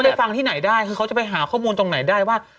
ไปฟังที่ไหนได้คือเขาจะไปหาข้อมูลตรงไหนได้ว่า